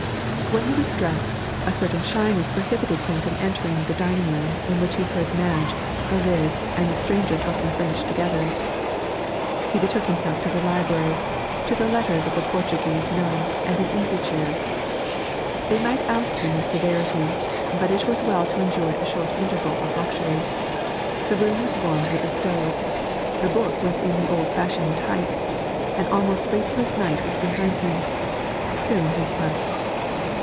When he was dressed a certain shyness prohibited him from entering the dining room in which he heard Madge, Eliz, and the stranger talking French together. He betook himself to the library, to the Letters of the Portuguese Nun and an easy chair. They might oust him with severity, but it was as well to enjoy a short interval of luxury. The room was warmed with a stove; the book was in the old fashioned type; an almost sleepless night was behind him; soon he slept.